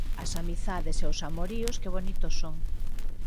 As amizades e os amoríos que bonitos son